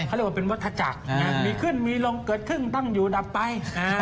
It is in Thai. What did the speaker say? เขาเรียกว่าเป็นวัฒนาจักรมีขึ้นมีลงเกิดขึ้นต้องอยู่อันดับไป